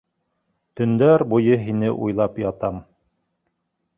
Төндәр буйы һине уйлап ятам.